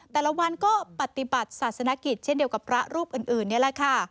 แต่ละวันก็ปฏิบัติศาสนกิจเช่นเดียวกับพระรูปอื่นนี่แหละค่ะ